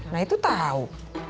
nah itu tau